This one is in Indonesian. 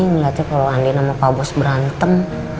ngeliatnya kalau andien sama pak bos berantem